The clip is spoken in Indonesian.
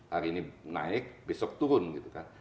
hari ini naik besok turun gitu kan